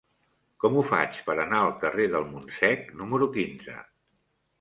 Com ho faig per anar al carrer del Montsec número quinze?